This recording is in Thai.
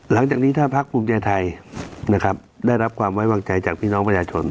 หลังจากนี้ถ้าพักภูมิใจไทยนะครับได้รับความไว้วางใจจากพี่น้องประชาชน